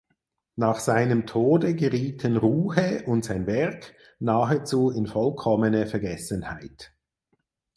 Nach seinem Tode gerieten Ruhe und sein Werk nahezu in vollkommene Vergessenheit.